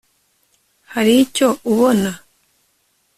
hari icyo ubona